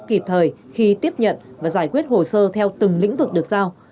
kịp thời khi tiếp nhận và giải quyết hồ sơ theo từng lĩnh vực được giao